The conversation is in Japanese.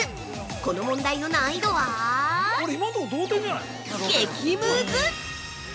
この問題の難易度は激ムズ！